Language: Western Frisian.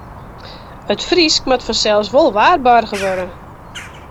It Frysk moat fansels wol waarboarge wurde.